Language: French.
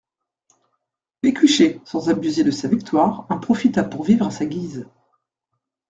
Pécuchet, sans abuser de sa victoire, en profita pour vivre à sa guise.